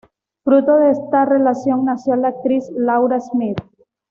Fruto de esta relación nació la actriz Laura Smet.